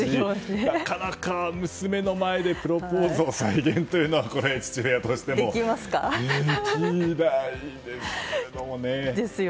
なかなか娘の前でプロポーズを再現というのは父親としても。できないですね。